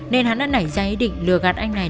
nên hắn đã nảy ra ý định lừa gạt anh này